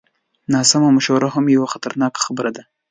ناسمه مشوره هم یوه خطرناکه خبره ده.